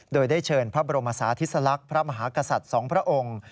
โดยได้เชิญพระบรมศาธิสลักษณ์พระมหากษัตริย์สองพระองค์